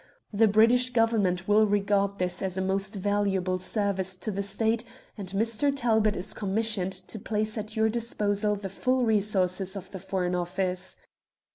The British Government will regard this as a most valuable service to the State, and Mr. Talbot is commissioned to place at your disposal the full resources of the Foreign Office.